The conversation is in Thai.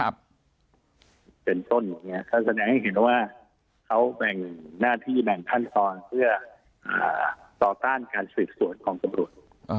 เป็นต้นอย่างนี้ก็แสดงให้เห็นว่าเขาแบ่งหน้าที่แบ่งขั้นตอนเพื่อต่อต้านการสืบสวนของตำรวจ